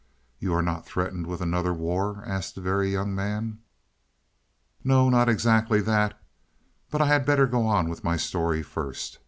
"You're not threatened with another war?" asked the Very Young Man. "No, not exactly that. But I had better go on with my story first.